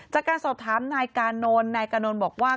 จากการสอบถามนายกานนท์นายกานนท์บอกว่า